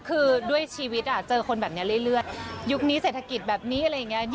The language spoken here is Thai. คือด้วยชีวิตเจอคนแบบนี้เรื่อยยุคนี้เศรษฐกิจแบบนี้อะไรอย่างนี้